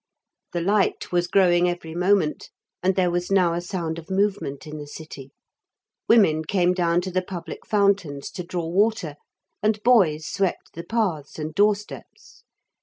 The light was growing every moment, and there was now a sound of movement in the city. Women came down to the public fountains to draw water, and boys swept the paths and doorsteps.